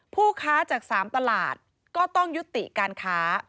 ผู้ค้าจาก๓ตลาดก็ต้องยุติการค้า